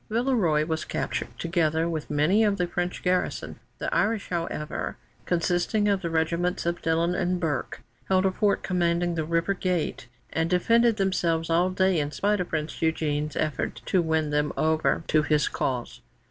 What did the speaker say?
Villeroy was captured, together with many of the French garrison. The Irish, however, consisting of the regiments of Dillon and of Burke, held a fort commanding the river gate, and defended themselves all day, in spite of Prince Eugène's efforts to win them over to his cause.